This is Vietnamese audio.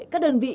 các đơn vị